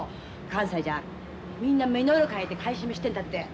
関西じゃみんな目の色変えて買い占めしてんだって。